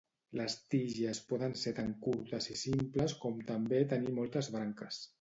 Les tiges poden ser tant curtes i simples com també tenir moltes branques.